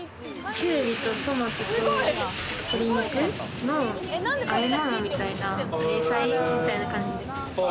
きゅうりとトマトと鶏肉の和え物みたいな、冷菜みたいなかんじです。